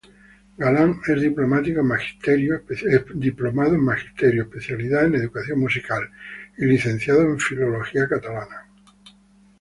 Galan es diplomado en Magisterio —especialidad en Educación Musical— y licenciado en Filología Catalana.